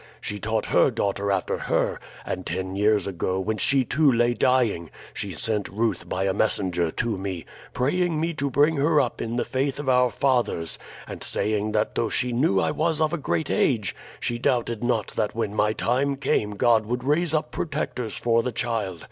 She taught her daughter after her, and ten years ago, when she too lay dying, she sent Ruth by a messenger to me, praying me to bring her up in the faith of our fathers, and saying that though she knew I was of a great age, she doubted not that when my time came God would raise up protectors for the child.